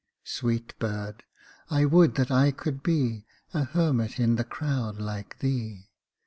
a (89) Sweet bird ! I would that I could be A hermit in the crowd like thee